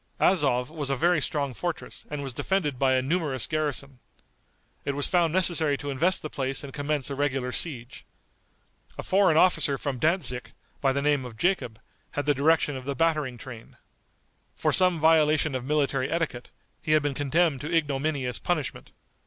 Azov was a very strong fortress and was defended by a numerous garrison. It was found necessary to invest the place and commence a regular siege. A foreign officer from Dantzic, by the name of Jacob, had the direction of the battering train. For some violation of military etiquette, he had been condemned to ignominious punishment.